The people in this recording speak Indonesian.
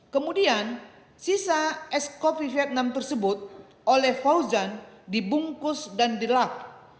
kemudian sisa es kopi vietnam tersebut oleh fauzan dibungkus dan dilap